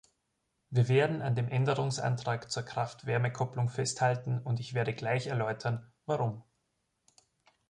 Wir werden an dem Änderungsantrag zur Kraft-Wärme-Kopplung festhalten, und ich werde gleich erläutern, warum.